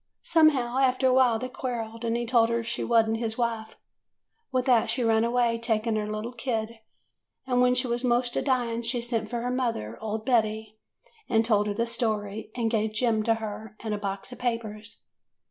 Somehow after awhile they quarrelled, and he told her she was n't his wife. With that she run away, taking her little kid, and when she was 'most a dying she sent for her mother, old Betty, and [ 70 ] HOW BEN FO UND SANTA CLAUS told her the story, and gave Jem to her, and a box of papers.